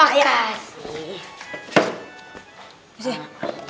yaudah ambil air minum